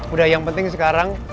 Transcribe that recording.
udah yang penting sekarang